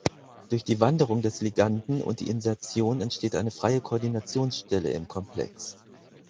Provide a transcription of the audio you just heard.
Durch die Wanderung des Liganden und die Insertion entsteht eine freie Koordinationsstelle im Komplex.